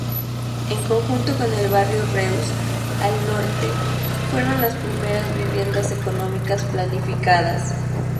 En conjunto con el barrio Reus al Norte, fueron las primeras viviendas económicas planificadas.